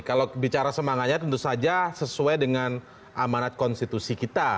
kalau bicara semangatnya tentu saja sesuai dengan amanat konstitusi kita